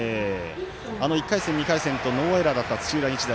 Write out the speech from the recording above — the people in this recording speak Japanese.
１回戦、２回戦とノーエラーだった土浦日大